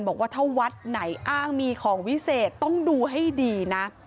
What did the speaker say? บอกว่าถ้าวัดไหนอ้างมีของวิเศษต้องดูให้ดีนะ